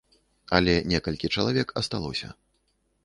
Але некалькі чалавек асталося.